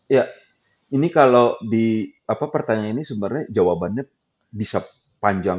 ya ini kalau di pertanyaan ini sebenarnya jawabannya bisa panjang